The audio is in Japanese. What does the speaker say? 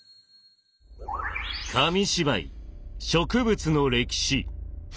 紙芝居「植物の歴史」。